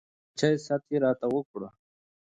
د چاے ست يې راته وکړو